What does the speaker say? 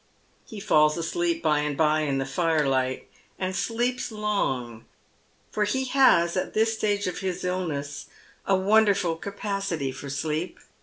He falls asleep by and bye in the firelight, and sleeps long, for he has at this stage of his illness a wonderful capacity for sleep.